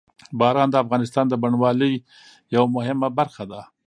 باران د افغانستان د بڼوالۍ یوه مهمه برخه ده.